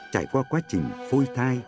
trải qua quá trình phôi thai